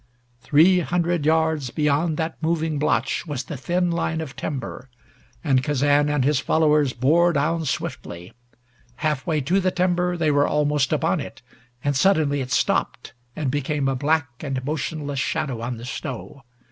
Three hundred yards beyond that moving blotch was the thin line of timber, and Kazan and his followers bore down swiftly. Half way to the timber they were almost upon it, and suddenly it stopped and became a black and motionless shadow on the snow.